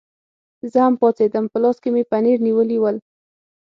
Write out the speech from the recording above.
زه هم پاڅېدم، په لاس کې مې پنیر نیولي ول.